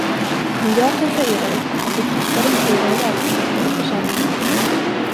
Men jag kan säga dig att du passar inte i den lagstiftande församlingen.